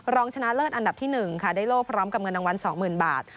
รองชนะเลิศอันดับที่๑ค่ะได้โล่พร้อมกับเงินรางวัล๒๐๐๐บาท